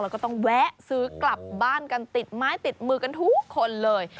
แล้วก็ต้องแวะซื้อกลับบ้านกันติดไม้ติดมือกันทุกคนเลย